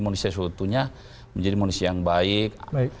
manusia suatunya menjadi manusia yang baik